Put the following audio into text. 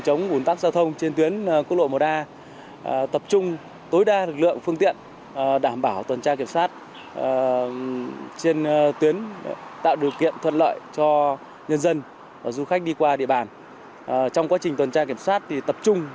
trong quá trình tuần tra kiểm soát tập trung vào những lỗi nguyên nhân dẫn đến tai nạn giao thông